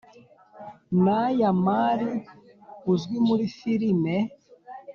Naya Mari uzwi muri filime